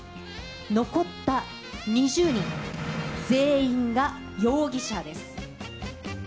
残った２０人全員が容疑者です。